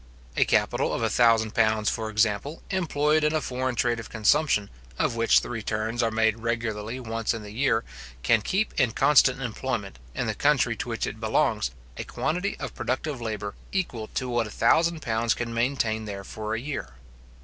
A capital of a thousand pounds, for example, employed in a foreign trade of consumption, of which the returns are made regularly once in the year, can keep in constant employment, in the country to which it belongs, a quantity of productive labour, equal to what a thousand pounds can maintain there for a year.